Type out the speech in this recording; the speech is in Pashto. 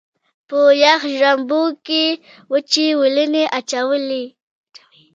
په یخو شړومبو کې یې وچ وېلنی اچولی وي.